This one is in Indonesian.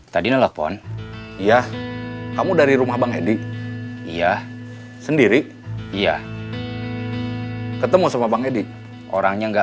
tadi nelfon ya kamu dari rumah bang edi iya sendiri iya ketemu sama bang edi orangnya enggak